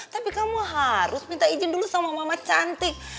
tapi kamu harus minta izin dulu sama mama cantik